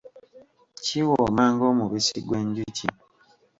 Kiwooma ng’omubisi gw’enjuki